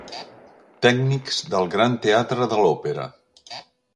Tècnics del gran teatre de l'òpera.